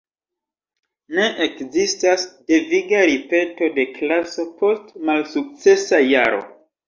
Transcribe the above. Ne ekzistas deviga ripeto de klaso post malsukcesa jaro.